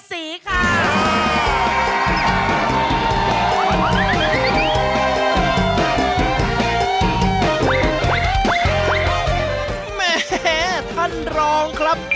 ที่จะเป็นความสุขของชาวบ้าน